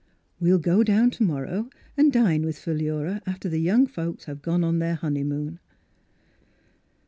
We'll go down to morrow, and dine with Philura after the young folks have gone on their honeymoon."